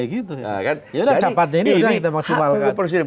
jadi capatnya ini kita maksimalkan